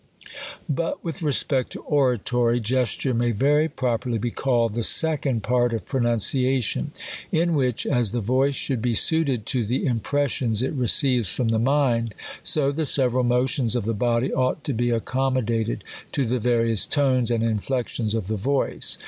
But with respect to oratory, gesture may very prop erly be called the second part of pronunciation ; in which, as the voice should be suited to the impressions it receives from the mind, so the several motions of the body ought to be accommodated to the various tanes and inflections of the voice.